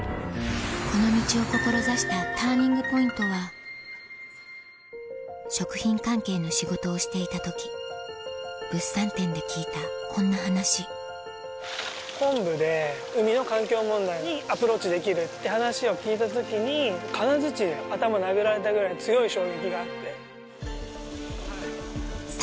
この道を志したＴＵＲＮＩＮＧＰＯＩＮＴは食品関係の仕事をしていた時物産展で聞いたこんな話昆布で海の環境問題にアプローチできるって話を聞いた時に金づちで頭殴られたぐらい強い衝撃があって。